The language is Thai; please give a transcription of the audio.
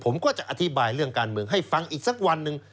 ผมก็จะอธิบายเรื่องการเมืองให้ฟังอีกสักวันหนึ่ง